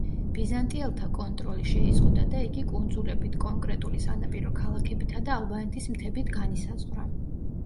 ბიზანტიელთა კონტროლი შეიზღუდა და იგი კუნძულებით, კონკრეტული სანაპირო ქალაქებითა და ალბანეთის მთებით განისაზღვრა.